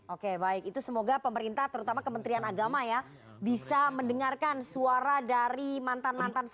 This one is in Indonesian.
oke baik itu semoga pemerintah terutama kementerian agama ya bisa mendengarkan suara dari mantan mantan